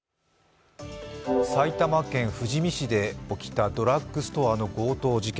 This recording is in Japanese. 埼玉県富士見市で起きたドラッグストアの強盗事件。